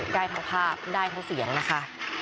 ได้ทั้งภาพได้ทั้งเสียงนะคะ